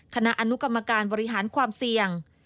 คณะอนุกรรมการบริหารความเสี่ยง